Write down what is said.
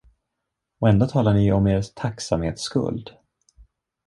Och ändå talar ni om er tacksamhetsskuld?